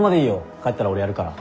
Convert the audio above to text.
帰ったら俺やるから。